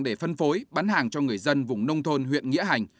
để phân phối bán hàng cho người dân vùng nông thôn huyện nghĩa hành